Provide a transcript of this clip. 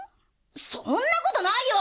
そんなことないよ！